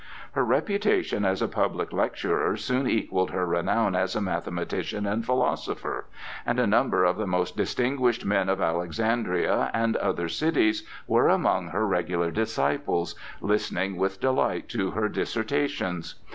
Her reputation as a public lecturer soon equalled her renown as a mathematician and philosopher, and a number of the most distinguished men of Alexandria and other cities were among her regular disciples, listening with delight to her dissertations.